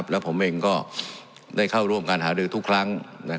แล้วผมเองก็ได้เข้าร่วมการหารือทุกครั้ง